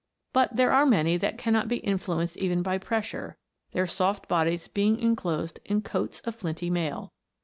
But there are many that cannot be influenced even by pressure, their soft bodies being inclosed in coats of flinty mail.